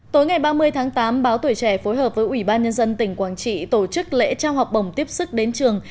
tối ngày ba mươi tháng tám báo tuổi trẻ phối hợp với ủy ban nhân dân tỉnh quảng trị tổ chức lễ trao học bổng tiếp sức đến trường